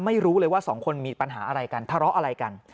ไม่รู้เลยว่าสองคนมีปัญหาอะไรกันทะเลาะอะไรกัน